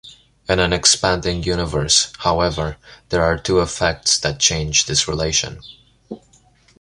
In an expanding universe, however, there are two effects that change this relation.